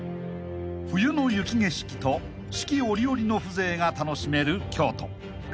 ［冬の雪景色と四季折々の風情が楽しめる京都］